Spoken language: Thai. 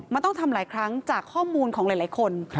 มันต้องทำหลายครั้งจากข้อมูลของหลายคน